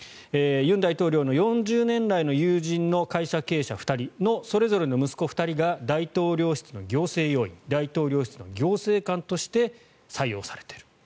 尹大統領の４０年来の友人の会社経営者２人のそれぞれの息子２人が大統領室の行政要員大統領室の行政官として採用されている。